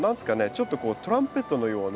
ちょっとこうトランペットのような。